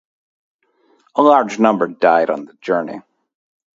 A large number died on the journey.